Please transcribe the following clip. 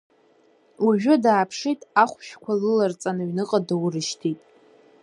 Уажәы дааԥшит, ахәшәқәа лыларҵан аҩныҟа доурыжьҭит…